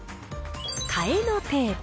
替えのテープ。